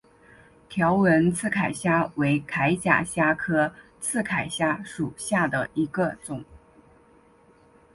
条纹刺铠虾为铠甲虾科刺铠虾属下的一个种。